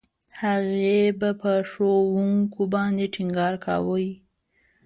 هغې به په ښوونکو باندې ډېر ټينګار کاوه.